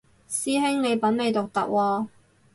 師兄你品味獨特喎